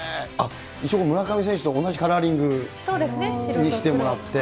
一応、村上選手と同じカラーリングにしてもらって。